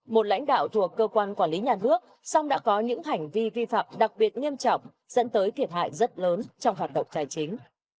một lãnh đạo thuộc cơ quan quản lý nhà nước song đã có những hành vi vi phạm đặc biệt nghiêm trọng dẫn tới thiệt hại rất lớn trong hoạt động tài chính